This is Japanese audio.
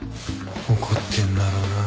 怒ってんだろうなあ。